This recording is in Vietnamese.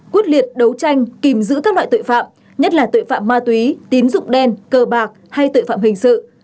quyết liệt đấu tranh kìm giữ các loại tội phạm nhất là tội phạm ma túy tín dụng đen cờ bạc hay tội phạm hình sự